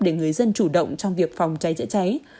để người dân chủ động trong việc phòng cháy chữa cháy